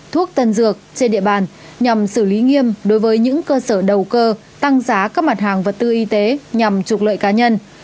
thuốc tân dược trên địa bàn nhằm xử lý nghiêm đối với những cơ sở đầu cơ tăng giá các mặt hàng vật tư y tế nhằm trục lợi cá nhân